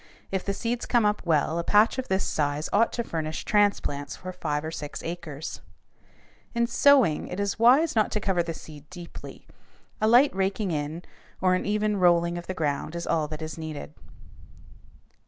If the seeds come up well, a patch of this size ought to furnish transplants for five or six acres. In sowing, it is not wise to cover the seed deeply. A light raking in or an even rolling of the ground is all that is needed.